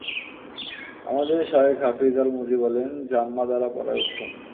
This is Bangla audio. আমাদের শায়খ হাফিজ আল মুযী বলেন, যাম্মা দ্বারা পড়াই উত্তম।